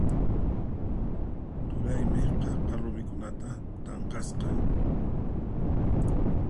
Turaymi qaqa rumikunata tanqasqa.